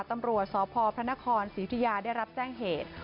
ตำรวจสพพศิษยาได้รับแจ้งเหตุ